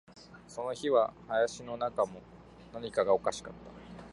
その日は林の中も、何かがおかしかった